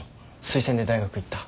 推薦で大学行った。